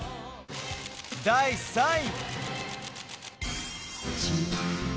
第３位。